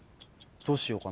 どうしようかな。